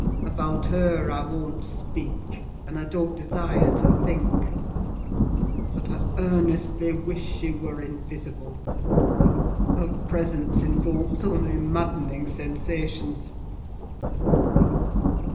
About her I won't speak; and I don't desire to think; but I earnestly wish she were invisible: her presence invokes only maddening sensations.